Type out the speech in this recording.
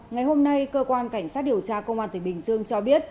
ngày hôm nay cơ quan cảnh sát điều tra công an tỉnh bình dương cho biết